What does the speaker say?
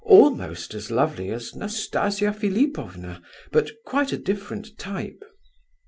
"Almost as lovely as Nastasia Philipovna, but quite a different type."